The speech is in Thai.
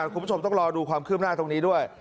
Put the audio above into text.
คุณผู้ชมต้องรอดูความคืบหน้าตรงนี้ด้วย